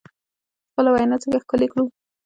خپله وینا څنګه ښکلې کړو؟